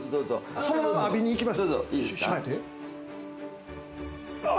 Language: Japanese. そのまま浴びに行きます。